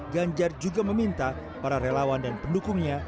ganjar juga meminta para relawan dan pendukungnya